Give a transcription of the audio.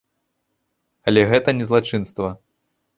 Але гэта не злачынства.